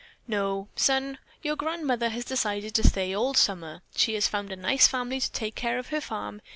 "No, son, your grandmother has decided to stay all summer. She has found a nice family to take care of her farm.